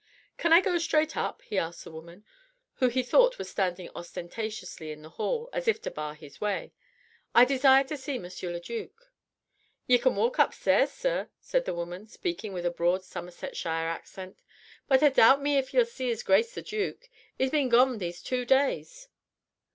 "Can I go straight up?" he asked the woman, who he thought was standing ostentatiously in the hall as if to bar his way. "I desire to see M. le duc." "Ye can walk upstairs, zir," said the woman, speaking with a broad Somersetshire accent, "but I doubt me if ye'll see 'is Grace the Duke. 'Es been gone these two days."